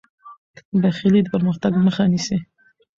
بخیلي د پرمختګ مخه نیسي.